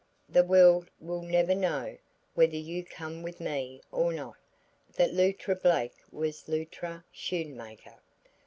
The world will never know, whether you come with me or not, that Luttra Blake was ever Luttra Schoenmaker.